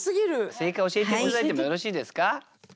正解教えて頂いてもよろしいですか？